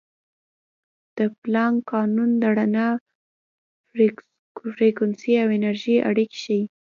د پلانک قانون د رڼا فریکونسي او انرژي اړیکې ښيي.